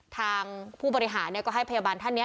ทางผู้บริหารก็ให้พยาบาลท่านนี้